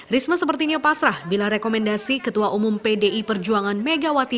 risma sepertinya pasrah bila rekomendasi ketua umum pdi perjuangan megawati